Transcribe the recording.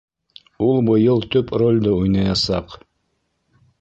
Ул быйыл төп ролде уйнаясаҡ.